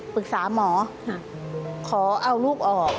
ปรึกษาหมอขอเอาลูกออก